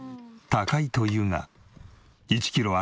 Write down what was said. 高いというが。